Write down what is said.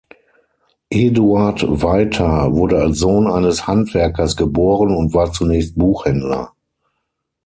Eduard Weiter wurde als Sohn eines Handwerkers geboren und war zunächst Buchhändler.